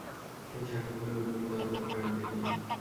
এই শাখাগুলো মিলিত হবে কাণ্ডে গিয়ে।